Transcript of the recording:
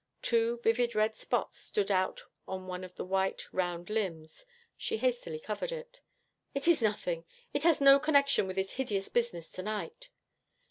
Two vivid red spots stood out on one of the white, round limbs. She hastily covered it. 'It is nothing. It has no connection with this hideous business tonight.